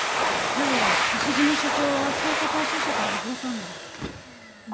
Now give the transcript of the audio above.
じゃあ牛島署長は捜査対象者から外れたんだ？